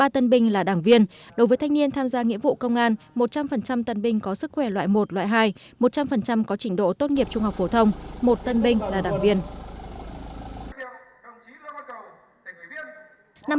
ba tân binh là đảng viên đối với thanh niên tham gia nghĩa vụ công an một trăm linh tân binh có sức khỏe loại một loại hai một trăm linh có trình độ tốt nghiệp trung học phổ thông một tân binh là đảng viên